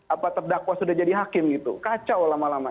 apa terdakwa sudah jadi hakim gitu kacau lama lama